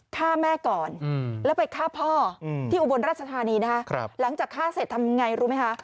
ฆ่าแม่ก่อนแล้วไปฆ่าพ่อที่อุบลราชธานีนะคะหลังจากฆ่าเสร็จทำไงรู้ไหมคะ